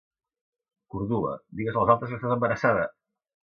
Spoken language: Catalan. "Cordula: digues als altres que estàs embarassada!".